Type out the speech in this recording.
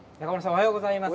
おはようございます。